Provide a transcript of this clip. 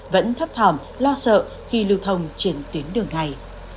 vẫn thấp thỏm lo sợ khi lưu thông trên tuyến đường này